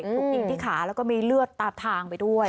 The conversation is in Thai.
ถูกยิงที่ขาแล้วก็มีเลือดตามทางไปด้วย